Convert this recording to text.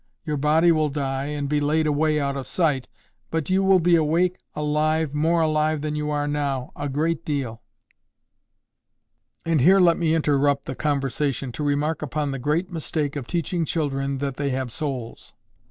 Your body will die, and be laid away out of sight; but you will be awake, alive, more alive than you are now, a great deal." And here let me interrupt the conversation to remark upon the great mistake of teaching children that they have souls.